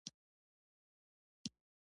مړه ته د نجات دعا کوو